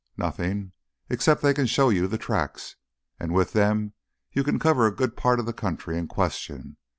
"Nothing. Except they can show you the tracks, and with them you can cover a good part of the country in question.